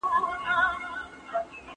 بايد فردي ملکیت په سمه توګه اداره سي.